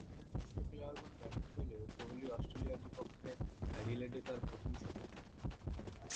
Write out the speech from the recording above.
সেখানে জ্যেষ্ঠ খেলোয়াড়গণ ব্যর্থ হলেও কোহলি অস্ট্রেলিয়ার বিপক্ষে অ্যাডিলেডে তার প্রথম শতক করেন।